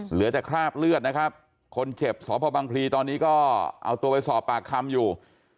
เหลือแต่คราบเลือดนะครับคนเจ็บสพบังพลีตอนนี้ก็เอาตัวไปสอบปากคำอยู่